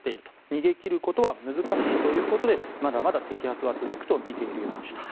逃げ切ることは難しいということでまだまだ摘発は続くとみているようでした。